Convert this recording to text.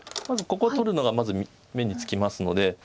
まずここ取るのがまず目につきますので。